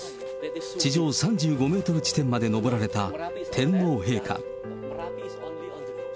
地上３５メートル地点までのぼられた天皇陛下。